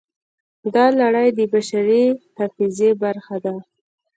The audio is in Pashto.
دا لړۍ د بشري حافظې برخه ده.